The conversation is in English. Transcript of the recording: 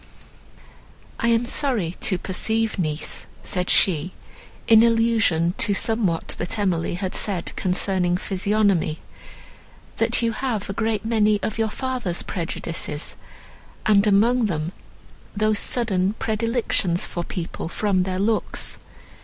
"I am sorry to perceive, niece," said she, in allusion to somewhat that Emily had said, concerning physiognomy, "that you have a great many of your father's prejudices, and among them those sudden predilections for people from their looks.